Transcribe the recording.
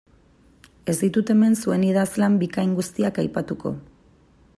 Ez ditut hemen zuen idazlan bikain guztiak aipatuko.